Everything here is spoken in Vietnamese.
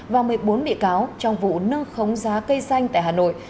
và một mươi bốn bị cáo trong vụ nâng khống giá cây xanh tại hà nội